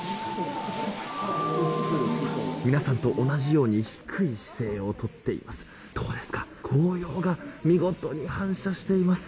皆さんと同じように低い姿勢をとっています。